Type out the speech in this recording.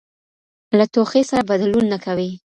له ټوخي سره بدلون نه کوي.